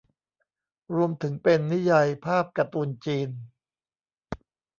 รวมถึงเป็นนิยายภาพการ์ตูนจีน